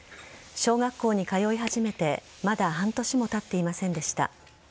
小学校に通い始めてまだ半年もたっていませんでした。